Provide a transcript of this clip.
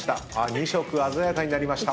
２色鮮やかになりました。